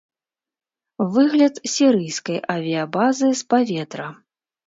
Выгляд сірыйскай авіябазы з паветра.